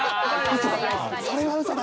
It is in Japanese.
それはうそだ。